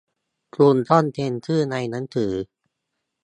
คุณต้องเซ็นชื่อในหนังสือ